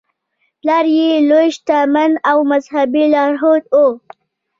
پلار یې لوی شتمن او مذهبي لارښود و.